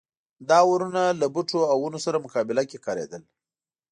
دا اورونه له بوټو او ونو سره مقابله کې کارېدل.